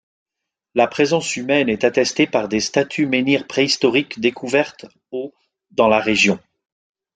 La présence humaine est attestée par des statues-menhirs préhistoriques découvertes au dans la région.